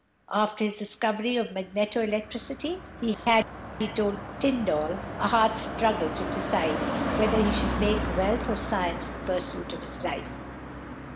After his discovery of magneto electricity, he had, he told Tyndall, a hard struggle to decide whether he should make wealth or science the pursuit of his life.